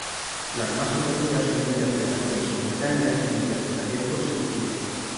Las más conocidas son la interpretación simultánea y la interpretación consecutiva.